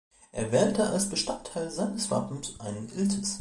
Er wählte als Bestandteil seines Wappens einen Iltis.